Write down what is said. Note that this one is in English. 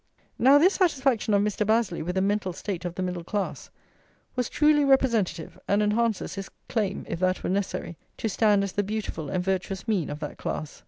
Now this satisfaction of Mr. Bazley with the mental state of the middle class was truly representative, and enhances his claim (if that were necessary) to stand as the beautiful and virtuous mean of that class.